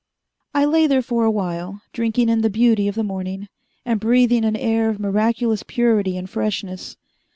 I lay there for awhile, drinking in the beauty of the morning, and breathing an air of miraculous purity and freshness.